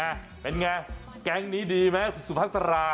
อ่าเป็นไงแก่งนี้ดีมั้ยคุณสุภาษฎรา